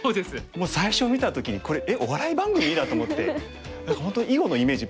もう最初見た時に「これえっお笑い番組？」だと思って本当に囲碁のイメージ